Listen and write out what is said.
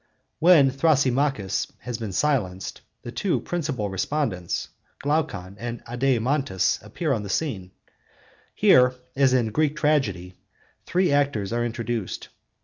When Thrasymachus has been silenced, the two principal respondents, Glaucon and Adeimantus, appear on the scene: here, as in Greek tragedy (cp. Introd. to Phaedo), three actors are introduced.